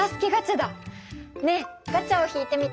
ねえガチャを引いてみて。